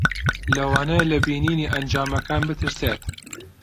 لەوانەیە لە بینینی ئەنجامەکان بترسێت.